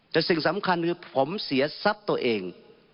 แต่สิ่งสำคัญคือผมเสียทรัพย์ตัวเอง